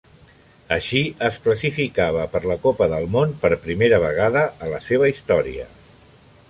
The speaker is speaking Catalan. Així es classificava per la Copa del Món per primera vegada a la seva història.